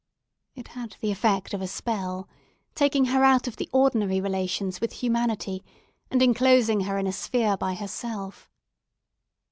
It had the effect of a spell, taking her out of the ordinary relations with humanity, and enclosing her in a sphere by herself.